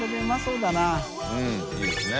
うんいいですね。